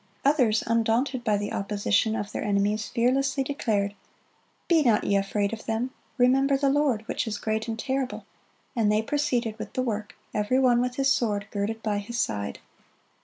Others, undaunted by the opposition of their enemies, fearlessly declared, "Be not ye afraid of them: remember the Lord, which is great and terrible;"(87) and they proceeded with the work, every one with his sword girded by his side.